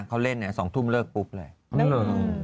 เค้าเล่นอ่ะ๒ทุ่มเริกปุ๊ปเลย